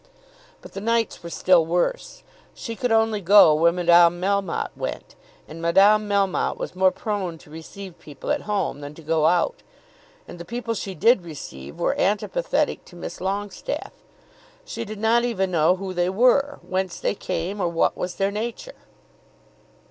But the nights were still worse. She could only go where Madame Melmotte went, and Madame Melmotte was more prone to receive people at home than to go out. And the people she did receive were antipathetic to Miss Longestaffe. She did not even know who they were, whence they came, or what was their nature.